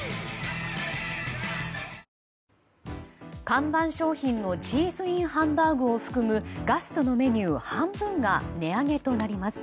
看板商品のチーズＩＮハンバーグを含むガストのメニュー半分が値上げとなります。